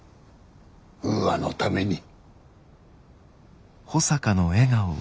ウーアのために。